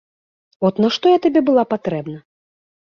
От на што я табе была патрэбна.